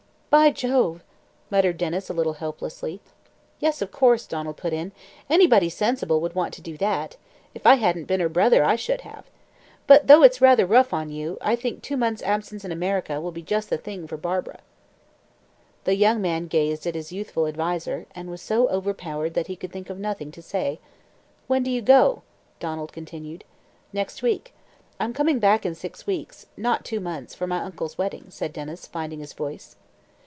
"By jove!" muttered Denys a little helplessly. "Yes, of course," Donald put in. "Anybody sensible would want to do that. If I hadn't been her brother I should have. But though it's rather rough on you, I think two months' absence in America will just be the thing for Barbara." The young man gazed at his youthful adviser, and was so overpowered that he could think of nothing to say. "When do you go?" Donald continued. "Next week. I'm coming back in six weeks not two months for my uncle's wedding," said Denys, finding his voice.